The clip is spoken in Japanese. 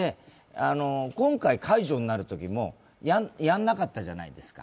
今回、解除になるときもやらなかったじゃないですか。